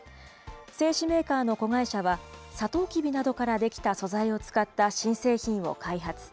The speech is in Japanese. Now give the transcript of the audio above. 製紙メーカーの子会社は、サトウキビなどから出来た素材を使った新製品を開発。